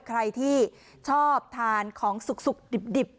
ใครที่ชอบทานของสุกดิบ